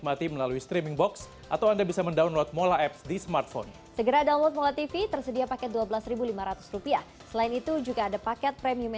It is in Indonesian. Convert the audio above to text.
sampai jumpa di video selanjutnya